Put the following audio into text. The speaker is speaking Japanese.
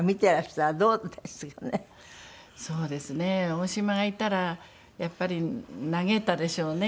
大島がいたらやっぱり嘆いたでしょうねきっとね。